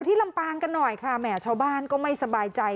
ลำปางกันหน่อยค่ะแหมชาวบ้านก็ไม่สบายใจ